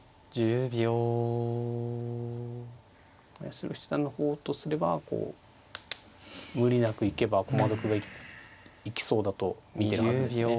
八代七段の方とすれば無理なくいけば駒得が生きそうだと見てるはずですね。